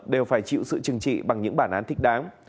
đều phải chịu sự chừng trị bằng những bản án thích đáng